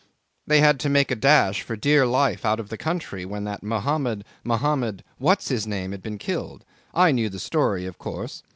They had to make a dash for dear life out of the country when that Mohammed Mohammed What's his name had been killed. I knew the story, of course.